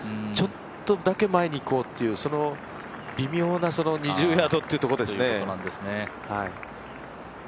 ちょっとだけ前に行こうっていう微妙な２０ヤードっていうところですね。